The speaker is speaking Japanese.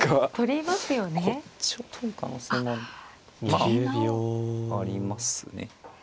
まあありますね。